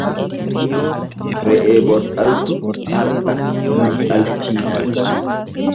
Re'ee bor dhaltu har'a hin dhalchiisan.